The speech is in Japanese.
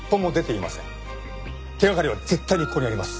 手掛かりは絶対にここにあります。